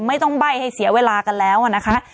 ไม่ต้องใบ้ให้เสียเวลากันแล้วนะคะ